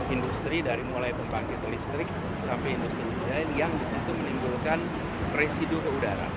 industri dari mulai pembangkit listrik sampai industri industri lain yang disitu menimbulkan residu ke udara